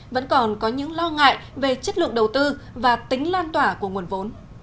vẫn còn có những lo ngại về chất lượng đầu tư và tính lan tỏa của nguồn vốn